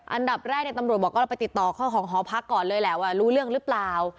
อันดับแรกเนี่ยตำรวจบอกก็ไปติดต่อของหอพักก่อนเลยแหละว่ารู้เรื่องรึเปล่า